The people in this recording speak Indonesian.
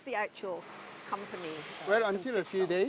bagaimana apa yang benar benar perusahaan ini